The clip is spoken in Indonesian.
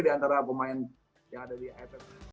diantara pemain yang ada di